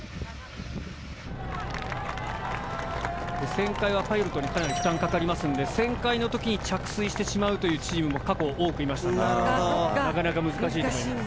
旋回はパイロットにかなり負担かかりますんで旋回の時に着水してしまうというチームも過去多くいましたがなかなか難しいと思います。